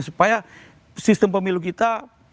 supaya sistem pemilu kita